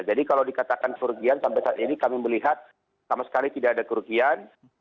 jadi kalau dikatakan kerugian sampai saat ini kami melihat sama sekali tidak ada kerugian